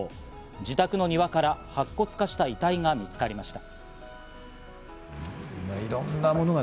自宅の庭から白骨化した遺体が見つかりました。